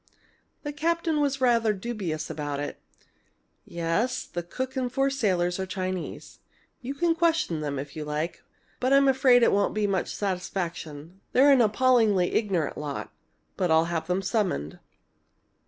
The captain was rather dubious about it. "Yes, the cook and four sailors are Chinese. You can question them if you like, but I'm afraid it won't be much satisfaction. They're an appallingly ignorant lot! But I'll have them summoned."